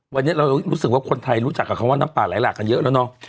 วันนี้เรารู้สึกว่าคนไทยรู้จักกับคำว่าน้ำป่าไหลหลากกันเยอะแล้วเนาะ